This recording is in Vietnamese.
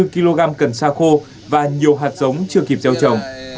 một trăm hai mươi bốn kg cần xa khô và nhiều hạt giống chưa kịp gieo trồng